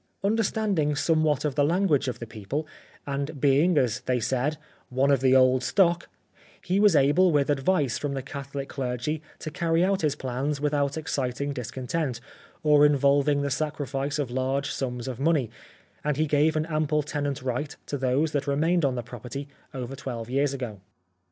Understanding somewhat of the language of the people, and being, as they said, " one of the ould stock," he was able with advice from the Catholic clergy to carry out 21 The Life of Oscar Wilde his plans without exciting discontent or in volving the sacrifice of large sums of money and he gave an ample tenant right to those that remained on the property over twelve years ago.